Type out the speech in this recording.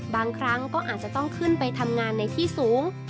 บางครั้งก็อาจจะต้องขึ้นไปทำงานในที่สูง